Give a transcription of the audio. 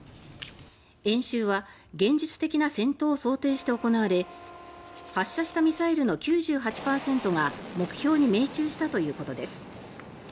演習は現実的な戦闘を想定して行われ発射したミサイルの９８％が目標に命中したということです。